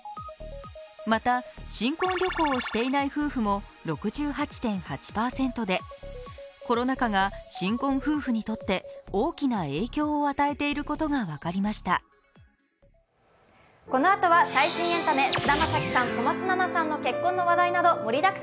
また、新婚旅行をしていない夫婦も６８．８％でコロナ禍が新婚夫婦にとって大きな影響を現在の北海道函館の様子です。